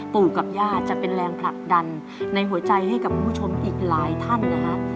ปู่กับย่าจะเป็นแรงผลักดันในหัวใจให้กับคุณผู้ชมอีกหลายท่านนะฮะ